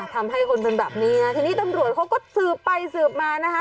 ทำให้คนเป็นแบบนี้นะทีนี้ตำรวจเขาก็สืบไปสืบมานะคะ